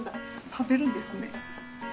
食べるんですね。